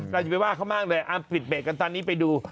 อย่าไปว่าเขามากเลยปิดเบรกกันตอนนี้ไปดู